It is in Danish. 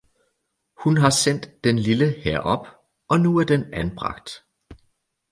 Hun har sendt den lille herop, og nu er den anbragt